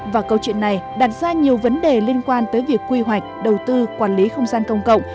và câu chuyện này đặt ra nhiều vấn đề liên quan tới việc quy hoạch đầu tư quản lý không gian công cộng